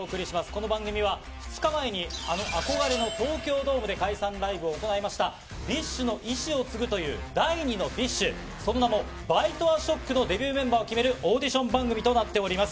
この番組は、２日前にあの憧れの東京ドームで解散ライブを行いました、ＢｉＳＨの意志を継ぐという、第２のＢｉＳＨ、その名も、ＢｉＴＥＡＳＨＯＣＫのデビューメンバーを決めるオーディション番組となっております。